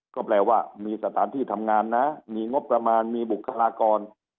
ก็แปลว่ามีสถานที่ทำงานนะมีงบประมาณมีบุคลากร